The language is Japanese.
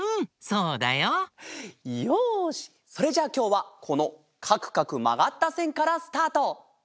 それじゃあきょうはこのかくかくまがったせんからスタート！